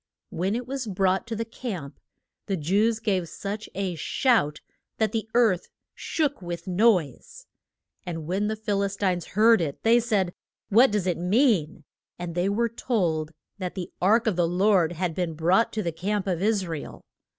When it was brought to the camp the Jews gave such a shout that the earth shook with the noise. And when the Phil is tines heard it, they said, What does it mean? And they were told that the ark of the Lord had been brought to the camp of Is ra el.